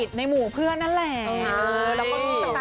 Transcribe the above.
ในหมู่เพื่อนนั่นแหละ